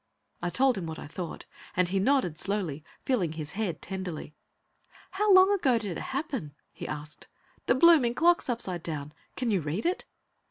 I told him what I thought, and he nodded slowly, feeling his head tenderly. "How long ago did it happen?" he asked. "The blooming clock's upside down; can you read it?"